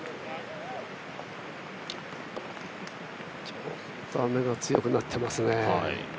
ちょっと雨が強くなってますね。